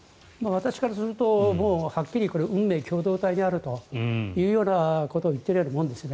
私からするとはっきりこれ運命共同体であるというようなことを言っているようなもんです。